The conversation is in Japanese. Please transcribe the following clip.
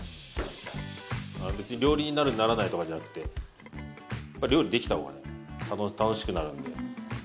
別に料理人になるならないとかじゃなくて料理できた方が楽しくなるんで。